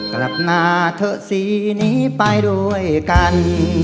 กลับมาเถอะสีนี้ไปด้วยกัน